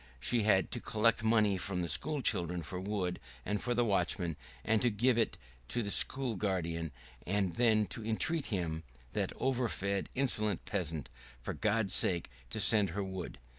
She had to collect money from the school children for wood and for the watchman, and to give it to the school guardian, and then to entreat him that overfed, insolent peasant for God's sake to send her wood.